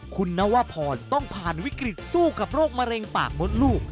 คุณนวพรต้องผ่านวิกฤตสู้กับโรคมะเร็งปากมดลูก